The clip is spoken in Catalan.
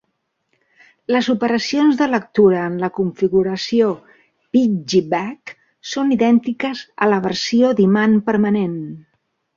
Les operacions de lectura en la configuració "piggyback" són idèntiques a la versió d'imant permanent.